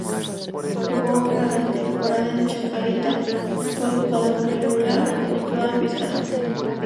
Jugo una gran temporada en Chacarita, fue el jugador mas regular junto a Pisano.